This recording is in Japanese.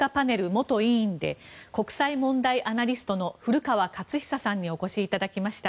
元委員で国際問題アナリストの古川勝久さんにお越しいただきました。